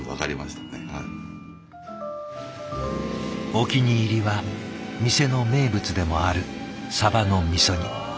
お気に入りは店の名物でもあるサバの味煮。